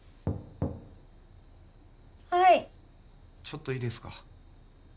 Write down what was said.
はいちょっといいですか？